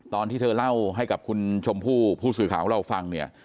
ตอนที่เธอเล่าให้กับคุณชมพู่ผู้สื่อข่าวของเราฟังเนี่ย